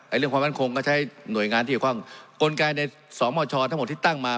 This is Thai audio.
เรื่องความมั่นคงก็ใช้หน่วยงานที่เกี่ยวข้องกลไกในสมชทั้งหมดที่ตั้งมา